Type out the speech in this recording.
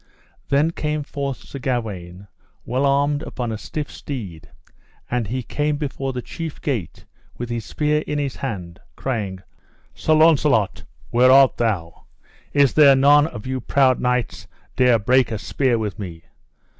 Then came forth Sir Gawaine well armed upon a stiff steed, and he came before the chief gate, with his spear in his hand, crying: Sir Launcelot, where art thou? is there none of you proud knights dare break a spear with me?